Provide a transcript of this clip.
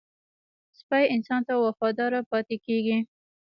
سپي انسان ته وفاداره پاتې کېږي.